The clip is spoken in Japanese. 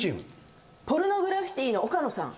ポルノグラフィティの岡野さん。